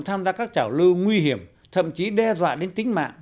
tham gia các trảo lưu nguy hiểm thậm chí đe dọa đến tính mạng